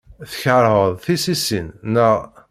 Tkeṛheḍ tissisin, naɣ?